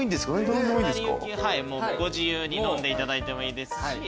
ご自由に飲んでいただいてもいいですし。